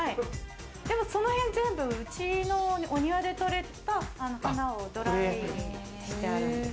でもその辺全部うちのお庭で採れた花をドライにしてあるんで。